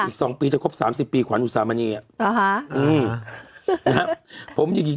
อ๋ออู๋ปีจะคบ๓๐ปีขวานอุตสาหรณ์มานี่